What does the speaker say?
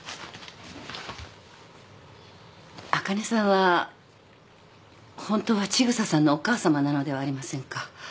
あかねさんは本当は千草さんのお母さまなのではありませんか？